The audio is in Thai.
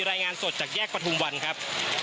รายงานสดจากแยกประทุมวันครับ